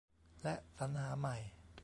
และ สรรหาใหม่